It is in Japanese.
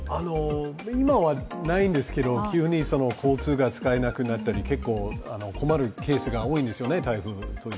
今はないんですけど、急に交通が使えなくなったり困るケースが多いんですよね。